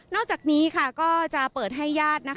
อกจากนี้ก็จะเปิดให้ญาติ